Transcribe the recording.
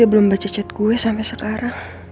dia belum baca chat gue sampe sekarang